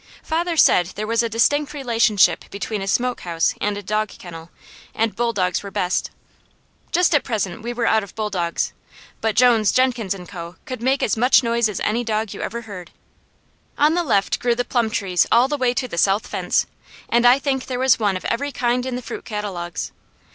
Father said there was a distinct relationship between a smoke house and a dog kennel, and bulldogs were best. Just at present we were out of bulldogs, but Jones, Jenkins and Co. could make as much noise as any dog you ever heard. On the left grew the plum trees all the way to the south fence, and I think there was one of every kind in the fruit catalogues.